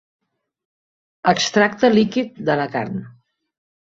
Extracte líquid de la carn.